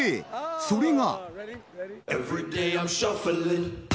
それが。